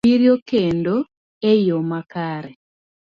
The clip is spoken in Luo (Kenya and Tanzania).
abiriyo kendo e yo makare.